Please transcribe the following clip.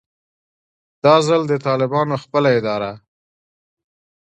دا ځل د طالبانو خپله اداره